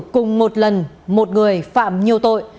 cùng một lần một người phạm nhiều tội